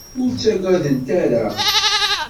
Ur ttaggadent ara.